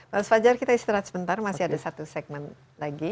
mas fajar kita istirahat sebentar masih ada satu segmen lagi